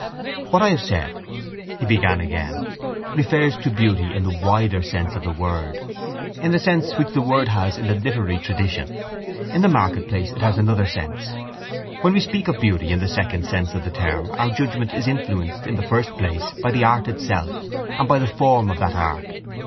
—What I have said, he began again, refers to beauty in the wider sense of the word, in the sense which the word has in the literary tradition. In the marketplace it has another sense. When we speak of beauty in the second sense of the term our judgement is influenced in the first place by the art itself and by the form of that art.